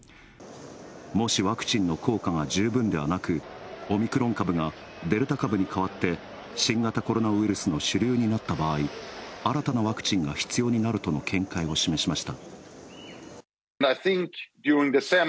もしワクチンの効果が十分ではなくオミクロン株がデルタ株にかわって新型コロナウイルスの主流になった場合新たなワクチンが必要になるとの見解を示しました。